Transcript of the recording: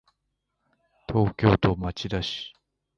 東京都町田市